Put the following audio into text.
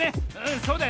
そうだよね。